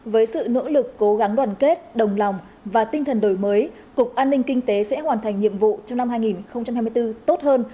với sự nỗ lực cố gắng đoàn kết đồng lòng và tinh thần đổi mới cục an ninh kinh tế sẽ hoàn thành nhiệm vụ trong năm hai nghìn hai mươi bốn tốt hơn